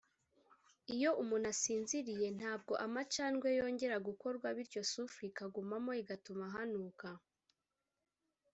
iyo umuntu asinziriye ntabwo amacandwe yongera gukorwa bityo soufre ikagumamo igatuma hanuka